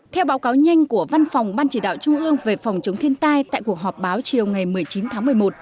theo báo cáo nhanh của văn phòng ban chỉ đạo trung ương về phòng chống thiên tai tại cuộc họp báo chiều ngày một mươi chín tháng một mươi một